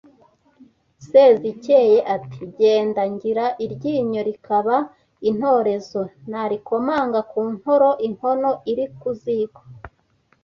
Sezikeye ati: “Ge ngira iryinyo rikaba intorezo Narikomanga ku nkoro inkono iri ku ziko”